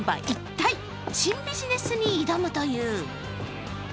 一体、新ビジネスに挑むという。